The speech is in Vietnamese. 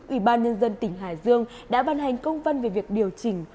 ủy ban nhân dân tỉnh hải dương đã ban hành công văn về việc điều chỉnh